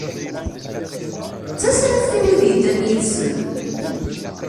D tasraft i wid yeddan yid-sen.